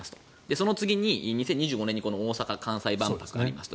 その次に２０２５年に大阪・関西万博ですと。